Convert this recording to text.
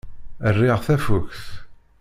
Riɣ tafukt.